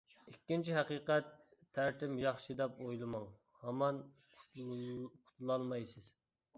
ئىككىنچى ھەقىقەت: تەرىتىم ياخشى دەپ ئويلىماڭ، ھامان قۇتۇلالمايسىز.